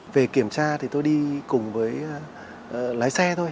về kiểm tra thì tôi đi cùng với lái xe thôi